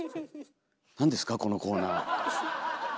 なんですかこのコーナー。